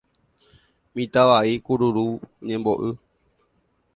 Mitã vai kururu ñembo'y.